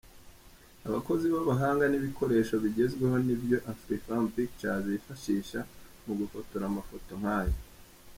Abakozi b'abahanga n'ibikoresho bigezweho nibyo Afrifame Pictures yifashisha mu gufotora amafoto nkaya.